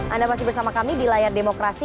anda masih bersama kami di layar demokrasi